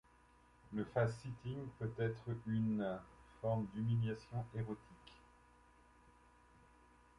Le facesitting peut être une forme d'humiliation érotique.